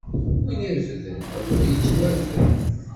Win irefden, awer ittwarfed!